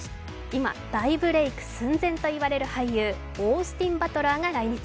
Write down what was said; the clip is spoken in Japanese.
今、大ブレイク寸前といわれる俳優、オースティン・バトラーが来日。